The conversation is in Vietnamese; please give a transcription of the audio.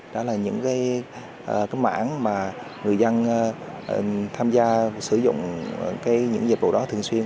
đó là những cái mảng mà người dân tham gia sử dụng những dịch vụ đó thường xuyên